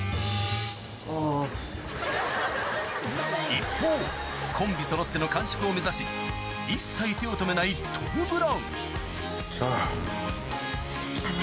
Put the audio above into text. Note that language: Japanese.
一方コンビそろっての完食を目指し一切手を止めないトム・ブラウンよっしゃ。